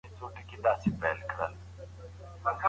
هغه وويل چي پلان جوړول مهم دي.